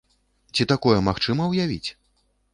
Ці такое магчыма ўявіць?